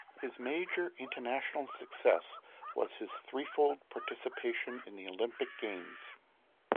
His major international success was his threefold participation in the Olympic Games.